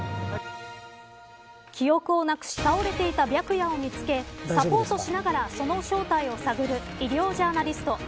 記憶をなくし倒れていた白夜を見つけサポートしながらその正体を探る医療ジャーナリスト